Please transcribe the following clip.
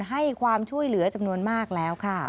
ให้ความช่วยเหลือจำนวนมากแล้วค่ะ